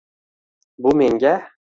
bu menga